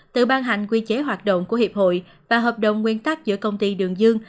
tự ban hành quy chế hoạt động của hiệp hội và hợp đồng nguyên tắc giữa công ty đường dương